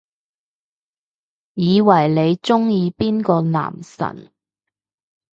以為你鍾意邊個男神